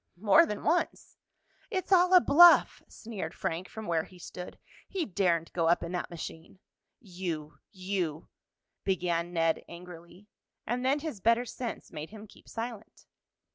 "More than once." "It's all a bluff!" sneered Frank from where he stood. "He daren't go up in that machine." "You you " began Ned angrily, and then his better sense made him keep silent.